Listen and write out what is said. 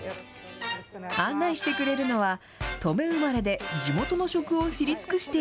案内してくれるのは、登米生まれで、地元の食を知り尽くして